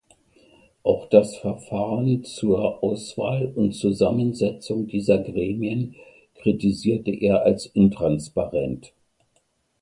Auch das Verfahren zur Auswahl und Zusammensetzung dieser Gremien kritisierte er als intransparent.